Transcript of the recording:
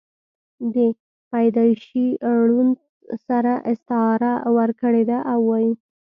دَپيدائشي ړوند سره استعاره ورکړې ده او وائي: